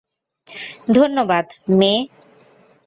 ধন্যবাদ, মে।